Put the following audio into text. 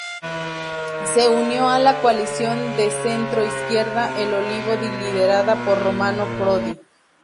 Se unió a la coalición de centro izquierda El Olivo liderada por Romano Prodi.